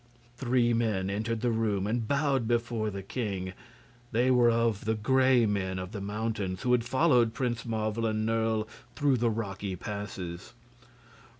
Three men entered the room and bowed before the king. They were of the Gray Men of the mountains, who had followed Prince Marvel and Nerle through the rocky passes.